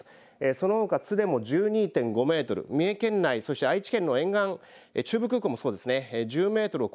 そのほか津でも１２．５メートル、三重県内そして愛知県の沿岸、中部空港もそうですね